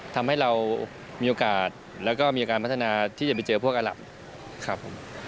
ทำให้เรามีโอกาสแล้วก็มีการพัฒนาที่จะไปเจอพวกอาหลับครับผม